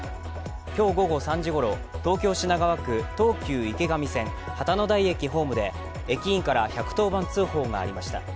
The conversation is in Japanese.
今日午後３時ごろ、東京・品川区東急池上線・旗の台駅ホームで駅員から１１０番通報がありました。